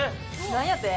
何やて？